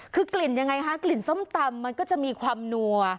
คือกลิ่นยังไงคะกลิ่นส้มตำมันก็จะมีความนัว